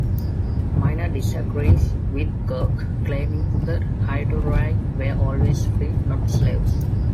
Miner disagrees with Kurke, claiming that hetairai were always free, not slaves.